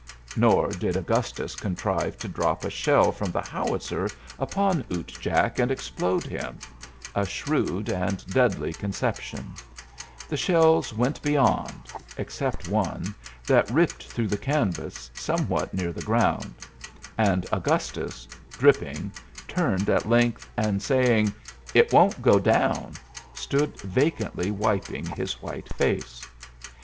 Nor did Augustus contrive to drop a shell from the howitzer upon Ute Jack and explode him a shrewd and deadly conception; the shells went beyond, except one, that ripped through the canvas, somewhat near the ground; and Augustus, dripping, turned at length, and saying, "It won't go down," stood vacantly wiping his white face.